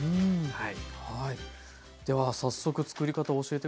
はい。